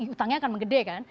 utangnya akan menggede kan